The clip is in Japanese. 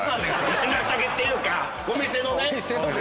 連絡先っていうかお店のね！